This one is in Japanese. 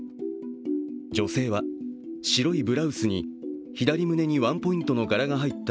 女性は白いブラウスに、左胸にワンポイントの柄が入った